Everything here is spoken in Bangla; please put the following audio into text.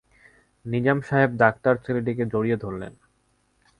নিজাম সাহেব ডাক্তার ছেলেটিকে জড়িয়ে ধরলেন।